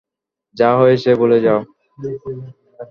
যা হয়েছে ভুলে যাও।